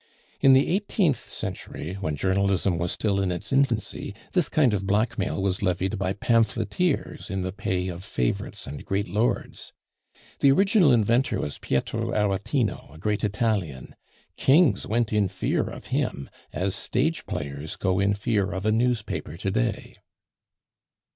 In the eighteenth century, when journalism was still in its infancy, this kind of blackmail was levied by pamphleteers in the pay of favorites and great lords. The original inventor was Pietro Aretino, a great Italian. Kings went in fear of him, as stage players go in fear of a newspaper to day."